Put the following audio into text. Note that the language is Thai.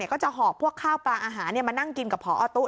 ก็จะหอบพวกข้าวปลาอาหารมานั่งกินกับพอตู้